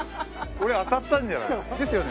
俺当たったんじゃない？ですよね。